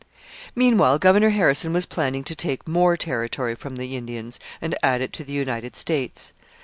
Meanwhile Governor Harrison was planning to take more territory from the Indians and add it to the United States.